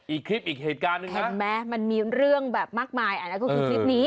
อีกคลิปอีกเหตุการณ์หนึ่งเห็นไหมมันมีเรื่องแบบมากมายอันนั้นก็คือคลิปนี้